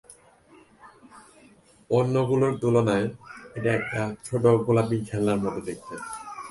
অন্যগুলোর তুলনায়, এটা একটা ছোট গোলাপী খেলনার মত দেখতে।